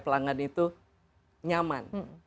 pelanggan itu nyaman